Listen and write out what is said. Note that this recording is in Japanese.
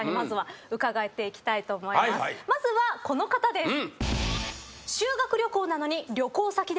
まずはこの方です。